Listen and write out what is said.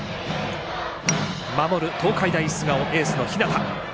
守る東海大菅生、エースの日當。